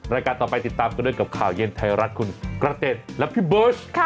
รายการต่อไปติดตามกันด้วยกับข่าวเย็นไทยรัฐคุณกระเต็ดและพี่เบิร์ต